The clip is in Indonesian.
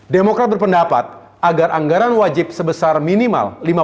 demokrat berpendapat agar anggota bos biasiswa bidik misi biasiswa lpdp bpsjs kesehatan dan lainnya